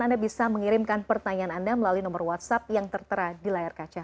anda bisa mengirimkan pertanyaan anda melalui nomor whatsapp yang tertera di layar kaca